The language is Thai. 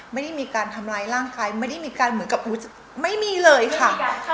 ไม่ได้มีการทำร้ายร่างกายไม่ได้มีการเหมือนกับไม่มีเลยค่ะ